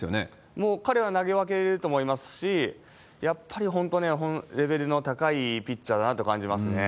もう彼は投げ分けれると思いますし、やっぱり本当ね、レベルの高いピッチャーだなと感じますね。